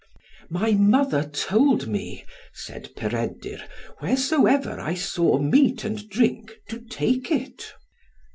"My mother told me," said Peredur, "wheresoever I saw meat and drink, to take it."